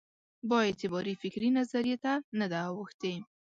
بااعتبارې فکري نظریې ته نه ده اوښتې.